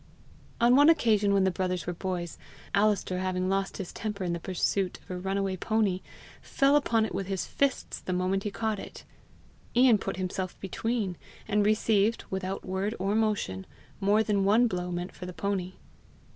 On one occasion when the brothers were boys, Alister having lost his temper in the pursuit of a runaway pony, fell upon it with his fists the moment he caught it. Ian put himself between, and received, without word or motion, more than one blow meant for the pony.